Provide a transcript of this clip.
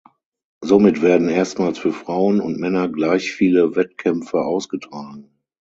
Somit werden erstmals für Frauen und Männer gleich viele Wettkämpfe ausgetragen.